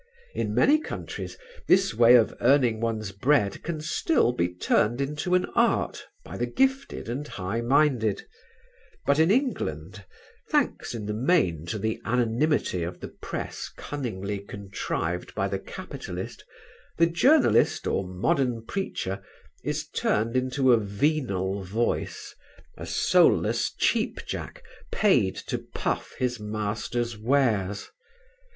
In many countries this way of earning one's bread can still be turned into an art by the gifted and high minded; but in England thanks in the main to the anonymity of the press cunningly contrived by the capitalist, the journalist or modern preacher is turned into a venal voice, a soulless Cheapjack paid to puff his master's wares.